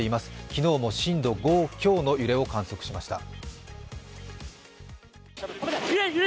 昨日も震度５強の揺れを観測しました。